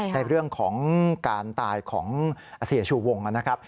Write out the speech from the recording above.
ในเรื่องของการตายของเสียชูวงนะครับ